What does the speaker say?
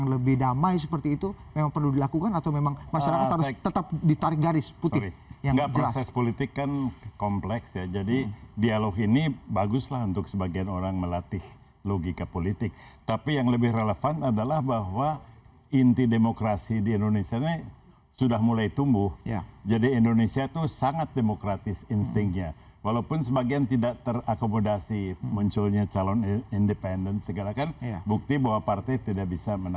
levelnya paling bawah mengusulkan